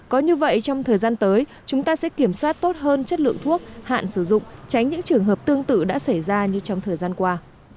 có như vậy trong thời gian tới chúng ta sẽ kiểm soát tốt hơn chất lượng thuốc hạn sử dụng tránh những trường hợp tương tự đã xảy ra như trong thời gian qua